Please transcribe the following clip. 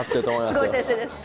すごい先生です。